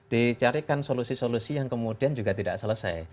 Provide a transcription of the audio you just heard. dicarikan solusi solusi yang kemudian juga tidak selesai